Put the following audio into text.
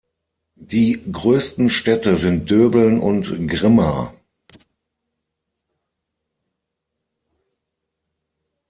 Die größten Städte sind Döbeln und Grimma.